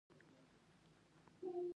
هغه له نورو حیواناتو سره په مینه ژوند کاوه.